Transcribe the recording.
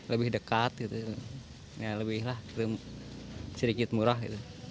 lebih dekat lebihlah sedikit murah